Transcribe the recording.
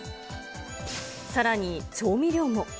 さらに調味料も。